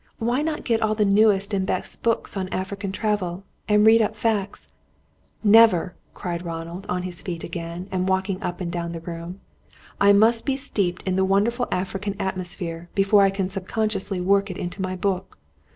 Why not get all the newest and best books on African travel, and read up facts " "Never!" cried Ronald, on his feet again, and walking up and down the room. "I must be steeped in the wonderful African atmosphere, before I can sub consciously work it into my book.